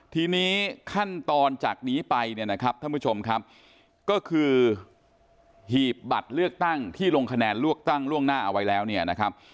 ทีนี้ขั้นตอนจากนี้ไปเนี่ยนะครับท่านผู้ชมครับก็คือหีบบัตรเลือกตั้งที่ลงคะแนนเลือกตั้งล่วงหน้าเอาไว้แล้วเนี่ยนะครับ